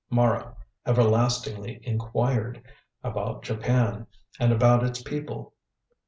Mara everlastingly inquired about Japan, and about its people.